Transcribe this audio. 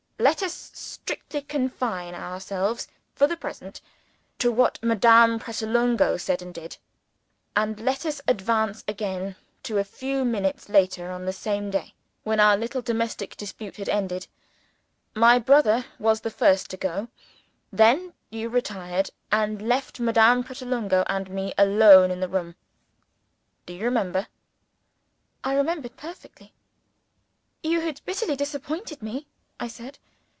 Let us strictly confine ourselves, for the present, to what Madame Pratolungo said and did. And let us advance again to a few minutes later on the same day, when our little domestic debate had ended. My brother was the first to go. Then, you retired, and left Madame Pratolungo and me alone in the room. Do you remember?" I remembered perfectly. "You had bitterly disappointed me," I said.